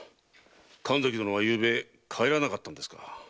神崎殿は昨夜帰らなかったのですか。